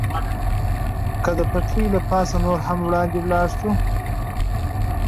که د پټلۍ له پاسه نور هم وړاندې ولاړ شو.